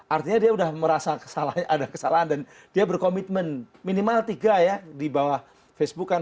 artinya dia sudah merasa ada kesalahan dan dia berkomitmen minimal tiga ya di bawah facebook kan